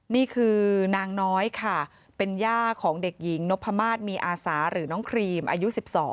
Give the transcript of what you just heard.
นี่คือนางน้อยค่ะเป็นย่าของเด็กหญิงนพมาศมีอาสาหรือน้องครีมอายุ๑๒